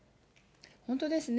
本当ですね。